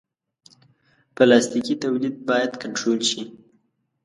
پلاستيکي تولید باید کنټرول شي.